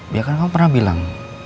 biarkan kamu pernah bilang